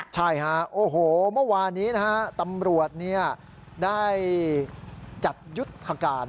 ใช่ฮะโอ้โหเมื่อวานนี้นะฮะตำรวจได้จัดยุทธการ